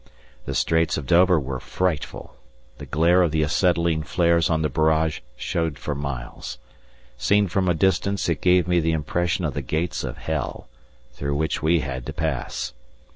The Straits of Dover were frightful; the glare of the acetylene flares on the barrage showed for miles. Seen from a distance it gave me the impression of the gates of hell, through which we had to pass.